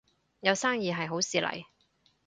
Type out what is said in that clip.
有生意係好事嚟